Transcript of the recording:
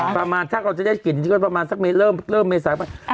ประมาณถ้าเราจะได้ผิดดยังไงเริ่มเมษายากเปิด